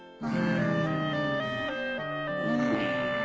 うん。